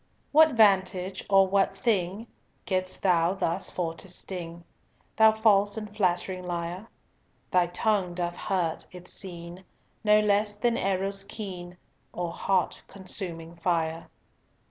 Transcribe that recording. "What vantage or what thing Gett'st thou thus for to sting, Thou false and flatt'ring liar? Thy tongue doth hurt, it's seen No less than arrows keen Or hot consuming fire."